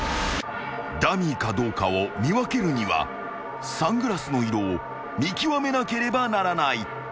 ［ダミーかどうかを見分けるにはサングラスの色を見極めなければならない］